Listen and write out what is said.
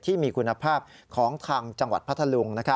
ที่มีคุณภาพของทางจังหวัดพัทธลุง